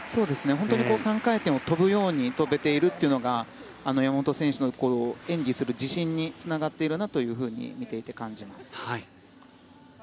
本当に３回転を跳ぶように跳べているというのが山本選手の演技する自信につながっているなと見ていて感じます。